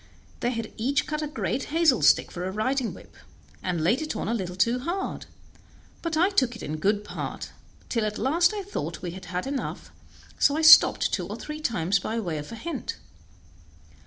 They had each cut a great hazel stick for a riding whip, and laid it on a little too hard; but I took it in good part, till at last I thought we had had enough, so I stopped two or three times by way of a hint.